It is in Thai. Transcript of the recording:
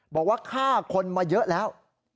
บอกว่าฆ่าคนมาเยอะแล้ว